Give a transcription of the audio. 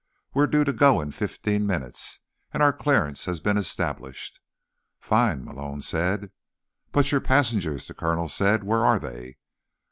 "We're due to go in fifteen minutes, and our clearance has been established." "Fine," Malone said. "But your passengers," the colonel said. "Where are they?"